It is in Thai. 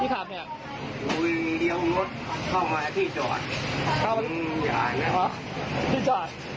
พี่ขับเนี้ยอุ้ยเดี๋ยวรถเข้ามาพี่จอดอ๋อพี่จอด